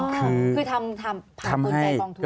คือทำให้